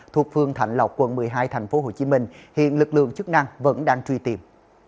thuộc phương thạnh lộc quận một mươi hai tp hcm hiện lực lượng chức năng vẫn đang truy tìm